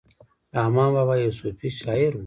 رحمان بابا یو صوفي شاعر ؤ